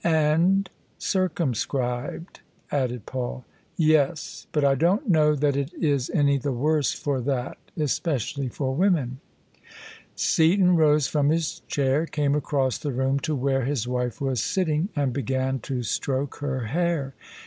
" And circumscribed," added Paul. "Yes: but I don't know that it is any the worse for that — especially for women." Seaton rose from his chair, came across the room to where his wife was sitting, and began to stroke her hair.